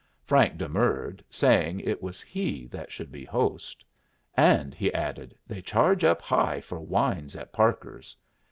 Frank demurred, saying it was he that should be host. "And," he added, "they charge up high for wines at Parker's."